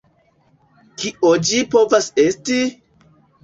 Kio ĝi povas esti?